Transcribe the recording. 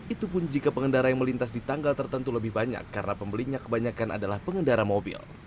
itu pun jika pengendara yang melintas di tanggal tertentu lebih banyak karena pembelinya kebanyakan adalah pengendara mobil